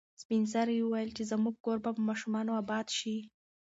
سپین سرې وویل چې زموږ کور به په ماشومانو اباد شي.